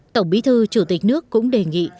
tổng bí thư chủ tịch nước cũng đề nghị